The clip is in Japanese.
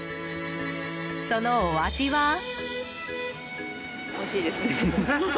そのお味は。